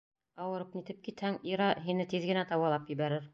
Ауырып-нитеп китһәң, Ира һине тиҙ генә дауалап ебәрер.